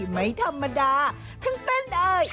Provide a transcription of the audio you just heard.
ไปดมเอ๊ยไปดูกันเลย